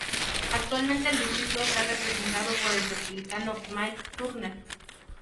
Actualmente el distrito está representado por el Republicano Mike Turner.